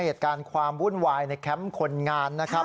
เหตุการณ์ความวุ่นวายในแคมป์คนงานนะครับ